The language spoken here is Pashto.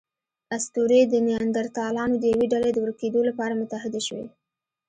اسطورې د نیاندرتالانو د یوې ډلې د ورکېدو لپاره متحدې شوې.